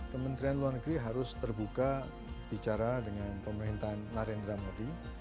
kementerian luar negeri harus terbuka bicara dengan pemerintahan narendra modi